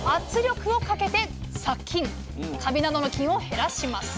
カビなどの菌を減らします。